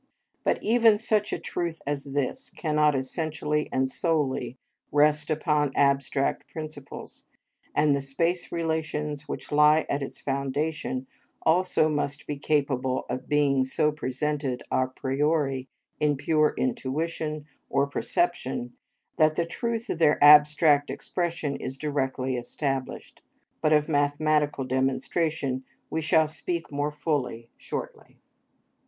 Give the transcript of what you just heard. But even such a truth as this cannot essentially and solely rest upon abstract principles, and the space relations which lie at its foundation also must be capable of being so presented a priori in pure intuition or perception that the truth of their abstract expression is directly established. But of mathematical demonstration we shall speak more fully shortly.